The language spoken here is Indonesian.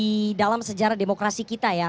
di dalam sejarah demokrasi kita ya